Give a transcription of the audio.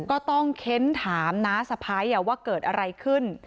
ก็ต้องเค้นถามน้าสะพ้ายว่าเกิดอะไรขึ้น